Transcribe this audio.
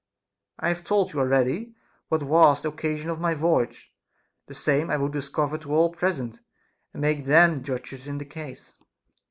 I have told you already what was the occasion of my voyage ; the same I would discover to all present, and make them judges in the case.